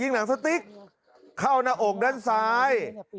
หนังสติ๊กเข้าหน้าอกด้านซ้าย